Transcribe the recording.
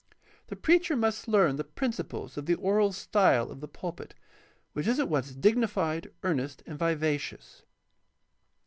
The preacher must learn the principles of the oral style of the pulpit, which is at once dignified, earnest, and vivacious.